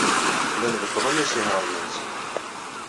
Llan beṭṭlen isihaṛen-nsen.